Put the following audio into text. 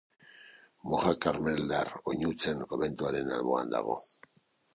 Moja Karmeldar Oinutsen komentuaren alboan dago.